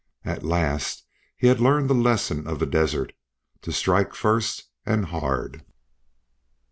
At last he had learned the lesson of the desert to strike first and hard.